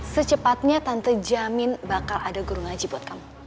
secepatnya tante jamin bakal ada guru ngaji buat kamu